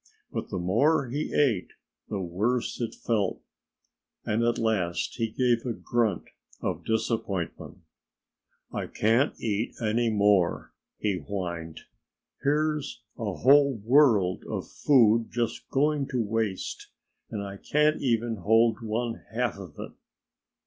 But the more he ate, the worse he felt. And at last he gave a grunt of disappointment. "I can't eat any more," he whined. "Here's a whole world full of food just going to waste. And I can't even hold one half of it!"